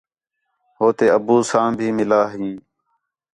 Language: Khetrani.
ہو تے ابو ساں بھی مِلا ہیں